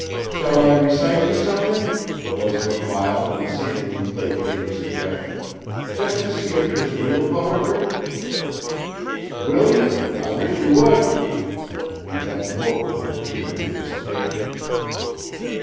"Shall I recite you something?" was her mild and seemingly placating suggestion, "just to see if it is real poetry?" "Will you? I wish you would." He bent forward in eager anticipation.